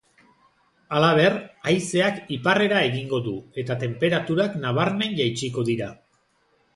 Halaber, haizeak iparrera egingo du, eta tenperaturak nabarmen jaitsiko dira.